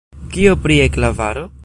Kio pri E-klavaro?